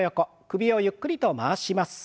首をゆっくりと回します。